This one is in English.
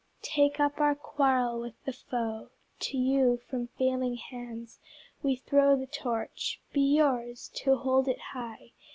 Take up our quarrel with the foe: To you from failing hands we throw The Torch: be yours to hold it high!